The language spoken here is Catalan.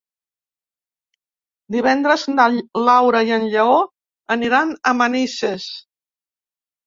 Divendres na Laura i en Lleó aniran a Manises.